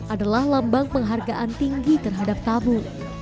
adalah lambang penghargaan tinggi terhadap tabu